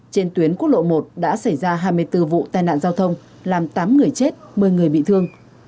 trên tuyến quốc lộ một đã xảy ra hai mươi bốn vụ tai nạn giao thông làm tám người chết một mươi người bị thương